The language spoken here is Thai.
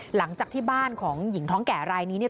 หลังจากที่บ้านของหญิงท้องแก่รายนี้เนี่ย